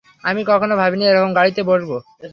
আমি কখনো ভাবিনি এরকম গাড়িতে বসবো।